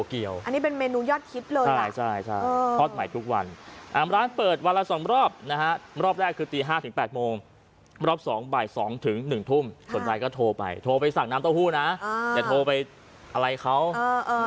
เออผู้ชมบอกว่าเอาบาร์ชื่อลงหน่อยเออช่างภาพบอกว่าจบรายการ